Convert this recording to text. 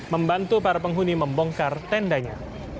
membantu para penghuni membongkar tendanya